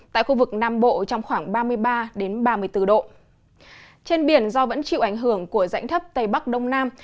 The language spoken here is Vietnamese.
trên biển do vẫn chịu ảnh hưởng của rãnh thấp tây bắc đông nam